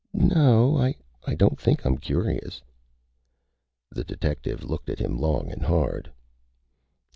"No. I don't think I'm curious." The detective looked at him long and hard.